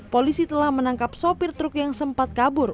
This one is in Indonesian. polisi telah menangkap sopir truk yang sempat kabur